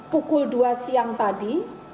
pukul dua siang tadi